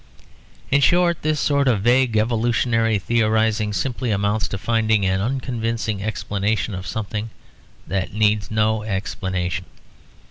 In short this sort of vague evolutionary theorising simply amounts to finding an unconvincing explanation of something that needs no explanation.